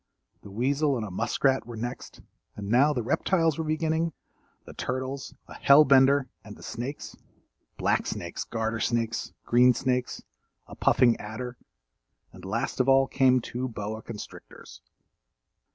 The weasel and muskrat were next, and now the reptiles were beginning; the turtles, a hellbender and the snakes; black snakes, garter snakes, green snakes, a puffing adder and last of all came two boa constrictors.